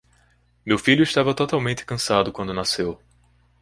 Meu filho estava totalmente cansado quando nasceu.